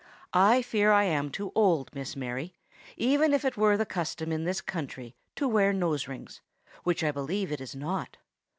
"I fear I am too old, Miss Mary, even if it were the custom in this country to wear nose rings, which I believe it is not.